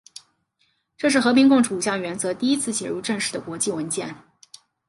这是和平共处五项原则第一次写入正式的国际文件。